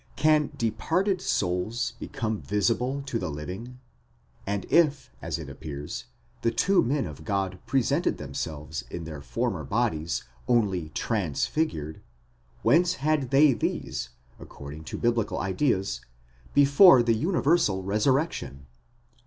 Can departed souls become visible to the living? and if, as it appears, the two men of God presented themselves in their former bodies, only transfigured, whence had they these—according to biblical ideas —before the universal resurrection?